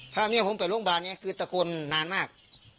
พาเมียผมไปโรงพยาบาลนี้คือตะโกนนานมาก